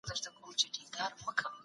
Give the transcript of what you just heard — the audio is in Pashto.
سيدمحمد سنګين سيدنجم الدين حريق